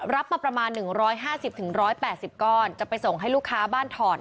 รับมาประมาณหนึ่งร้อยห้าสิบถึงร้อยแปดสิบก้อนจะไปส่งให้ลูกค้าบ้านถอน